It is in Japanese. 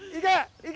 行け！